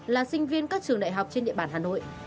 là sinh viên các trường đại học trên địa bàn hà nội